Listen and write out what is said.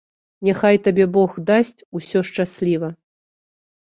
Няхай табе бог дасць усё шчасліва.